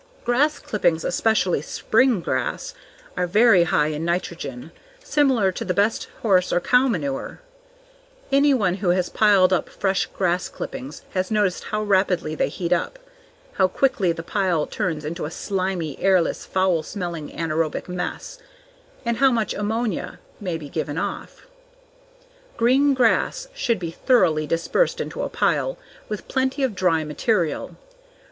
Grass clippings, especially spring grass, are very high in nitrogen, similar to the best horse or cow manure. Anyone who has piled up fresh grass clippings has noticed how rapidly they heat up, how quickly the pile turns into a slimy, airless, foul smelling anaerobic mess, and how much ammonia may be given off. Green grass should be thoroughly dispersed into a pile, with plenty of dry material.